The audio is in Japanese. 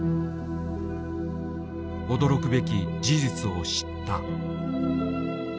驚くべき事実を知った。